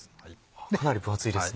かなり分厚いですね。